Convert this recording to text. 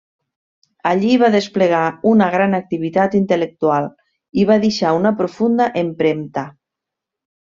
Allí va desplegar una gran activitat intel·lectual i va deixar una profunda empremta.